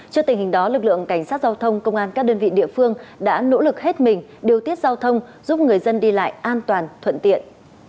trước tình hình đó lực lượng cảnh sát giao thông công an các đơn vị địa phương đã nỗ lực hết mình điều tiết giao thông giúp người dân đi lại an toàn thuận tiện